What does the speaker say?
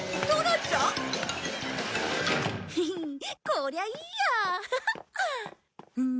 こりゃいいや！